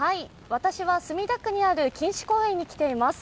私は墨田区にある錦糸公園に来ています。